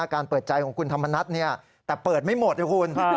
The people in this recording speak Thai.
การเปิดใจของคุณธรรมนัฐแต่เปิดไม่หมดนะคุณ